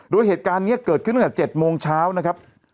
โดยเหตุการณ์นี้เกิดขึ้นตั้งแต่๗โมงเช้านะครับ